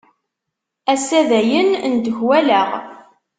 Ass-a dayen ndeklaweɣ.